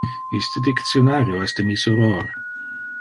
Iste dictionario es de mi soror.